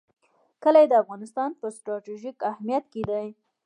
کلي د افغانستان په ستراتیژیک اهمیت کې دي.